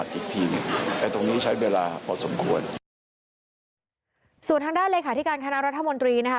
ส่วนทางด้านเลยค่ะที่การคณะรัฐมนตรีนะครับ